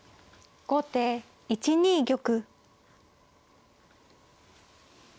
後手１二玉。